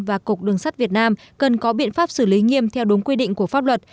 và cục đường sắt việt nam cần có biện pháp xử lý nghiêm theo đúng quy định của pháp luật